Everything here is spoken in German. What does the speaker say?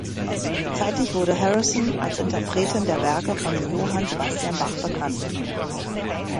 Zeitig wurde Harrison als Interpretin der Werke von Johann Sebastian Bach bekannt.